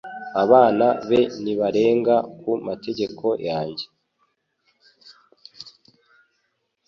Abana be nibarenga ku mategeko yanjye